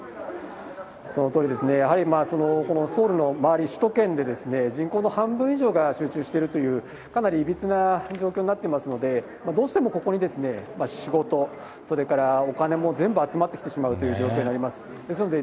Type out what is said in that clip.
そのとおりですね、やはりソウルの周り、首都圏で人口の半分以上が集中してるという、かなりいびつな状況になってますので、どうしてもここに仕事、それからお金も全部集まってきてしまうという状況になります。